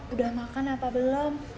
udah makan apa belum